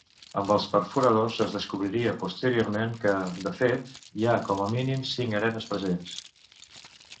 Amb els perforadors es descobriria posteriorment que, de fet, hi ha com a mínim cinc arenes presents.